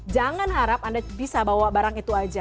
jangan harap anda bisa bawa barang itu aja